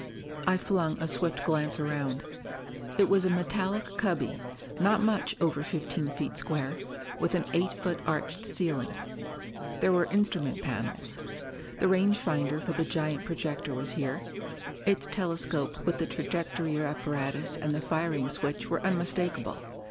I flung a swift glance around. It was a metallic cubby, not much over fifteen feet square, with an eight foot arched ceiling. There were instrument panels. The range finder for the giant projector was here; its telescope with the trajectory apparatus and the firing switch were unmistakable.